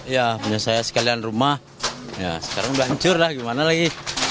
ya punya saya sekalian rumah ya sekarang udah hancur lah gimana lagi